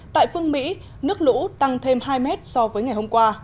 tại phương mỹ nước lũ tăng thêm hai mét so với ngày hôm qua